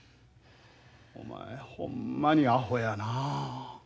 お前ほんまにアホやなあ。